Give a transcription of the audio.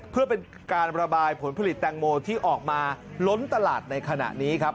เพื่อเป็นการระบายผลผลิตแตงโมที่ออกมาล้นตลาดในขณะนี้ครับ